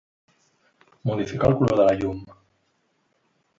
Modifica el color de la llum.